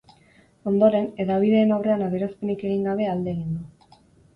Ondoren, hedabideen aurrean adierazpenik egin gabe alde egin du.